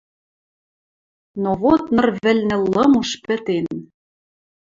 Но вот ныр вӹлнӹ лым уж пӹтен.